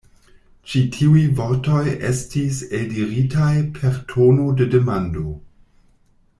Ĉi tiuj vortoj estis eldiritaj per tono de demando.